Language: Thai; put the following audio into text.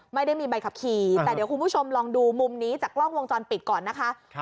ไม่ได้มีใบขับขี่แต่เดี๋ยวคุณผู้ชมลองดูมุมนี้จากกล้องวงจรปิดก่อนนะคะ